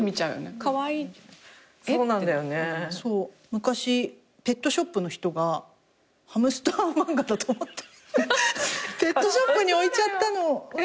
昔ペットショップの人がハムスター漫画だと思ってペットショップに置いちゃったの。